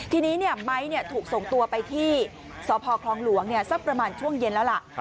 ทีนี้ไม้ถูกส่งตัวไปที่สพคลองหลวงสักประมาณช่วงเย็นแล้วล่ะ